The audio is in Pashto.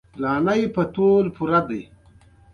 د عبادت لپاره وخت پيدا کړئ.